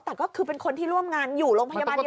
แต่ก็คือเป็นคนที่ร่วมงานอยู่โรงพยาบาลเดียว